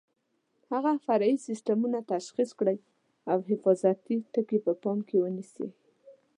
هغه فرعي سیسټمونه تشخیص کړئ او حفاظتي ټکي په پام کې ونیسئ.